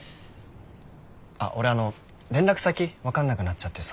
あっ俺連絡先分かんなくなっちゃってさ。